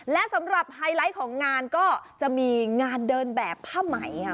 และสำหรับไฮไลท์ของงานก็จะมีงานเดินแบบผ้าไหมค่ะ